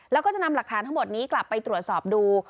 แล้วก็จะนำหลักฐานทั้งหมดนี้กลับไปตรวจสอบดู